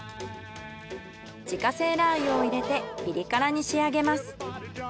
自家製ラー油を入れてピリ辛に仕上げます。